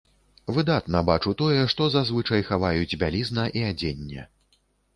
Выдатна бачу тое, што зазвычай хаваюць бялізна і адзенне.